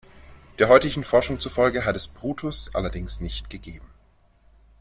Der heutigen Forschung zufolge hat es Brutus allerdings nicht gegeben.